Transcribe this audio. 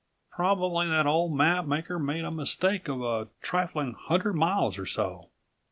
Probably that old map maker made a mistake of a trifling hundred miles or so."